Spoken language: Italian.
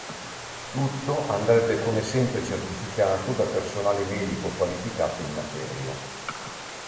Tutto andrebbe come sempre certificato da personale medico qualificato in materia.